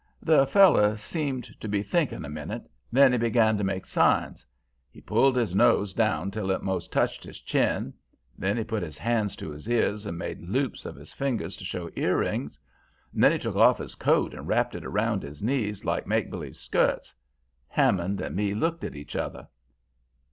The feller seemed to be thinkin' a minute; then he began to make signs. He pulled his nose down till it most touched his chin. Then he put his hands to his ears and made loops of his fingers to show earrings. Then he took off his coat and wrapped it round his knees like make b'lieve skirts. Hammond and me looked at each other.